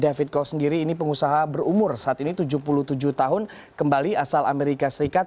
david kos sendiri ini pengusaha berumur saat ini tujuh puluh tujuh tahun kembali asal amerika serikat